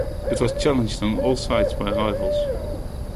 It was challenged on all sides by rivals.